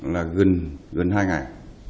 gần hai ngày